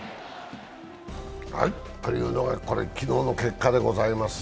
というのが昨日の結果でございます。